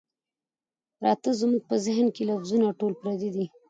پراتۀ زمونږ پۀ ذهن کښې لفظونه ټول پردي دي